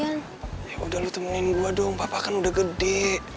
udah lu temenin gue dong papa kan udah gede